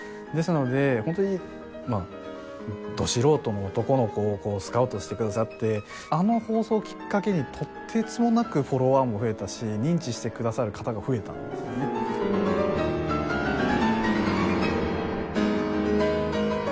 ですので本当にど素人の男の子をスカウトしてくださってあの放送をきっかけにとてつもなくフォロワーも増えたし認知してくださる方が増えたんですよね。